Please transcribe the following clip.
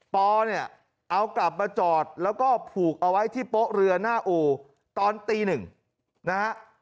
ปอเนี่ยเอากลับมาจอดแล้วก็ผูกเอาไว้ที่โป๊ะเรือหน้าอู่ตอนตีหนึ่งนะฮะ